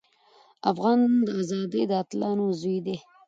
افغان د ازادۍ د اتلانو زوی دی.